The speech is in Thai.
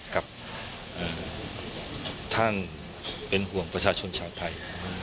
กับท่านเป็นห่วงประชาชนชาวไทย